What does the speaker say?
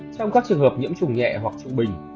trong các trường hợp nhiễm chủng nhẹ hoặc trụng bình